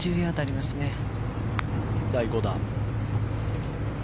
第５打。